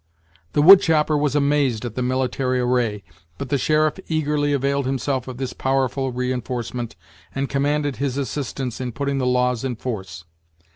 The wood chopper was amazed at the military array, but the sheriff eagerly availed himself of this powerful reinforcement, and commanded his assistance in putting the laws in force.